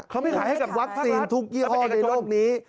เขาไม่ขายให้กับวัคซีนทุกยี่ห้อในโลกนี้